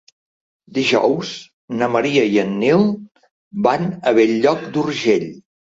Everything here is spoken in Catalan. Dijous na Maria i en Nil van a Bell-lloc d'Urgell.